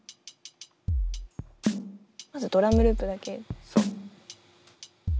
まずドラムループだけ。